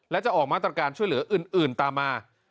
และจะออกมาตรการช่วยเหลืออื่นตามมา